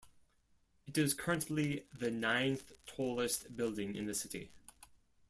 It is currently the ninth tallest building in the city.